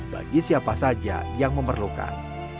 bagi siapa saja yang memerlukan